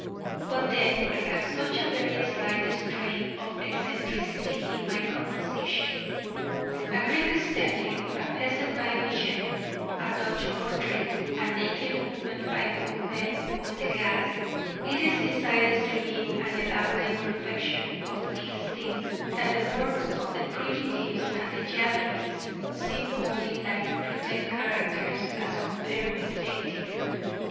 But then I have such a very slight strain of eccentricity in my composition! A Greek statue, a peasant by Millet, a Dutch portrait, a naked woman by Courbet or Degas; it is beside the serene and elaborate perfection of these things that the works of the Primitives and the Japanese seem only like written characters as compared with painting.